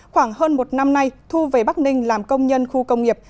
khoảng hơn một năm nay thu về bắc ninh làm công nhân khu công nghiệp